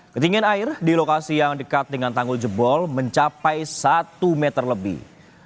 ketinggian air di lokasi yang dekat dengan tanggul jebol mencapai satu meter lebih